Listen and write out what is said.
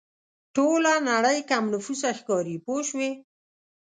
ټوله نړۍ کم نفوسه ښکاري پوه شوې!.